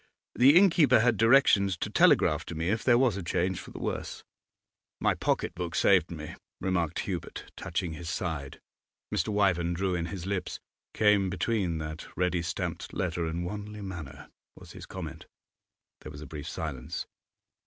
The innkeeper had directions to telegraph to me if there was a change for the worse.' 'My pocket book saved me,' remarked Hubert, touching his side. Mr. Wyvern drew in his lips. 'Came between that ready stamped letter and Wanley Manor,' was his comment. There was a brief silence.